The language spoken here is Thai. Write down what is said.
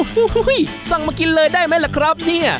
โอ้โหสั่งมากินเลยได้ไหมล่ะครับเนี่ย